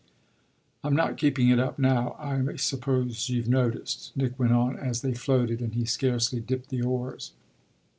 I'm not keeping it up now I suppose you've noticed," Nick went on as they floated and he scarcely dipped the oars.